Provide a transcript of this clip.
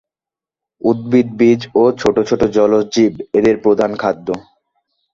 উদ্ভিদ বীজ ও ছোট ছোট জলজ জীব এদের প্রধান খাদ্য।